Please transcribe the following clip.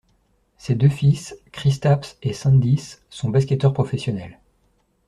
Ses deux fils, Kristaps et Sandis sont basketteurs professionnels.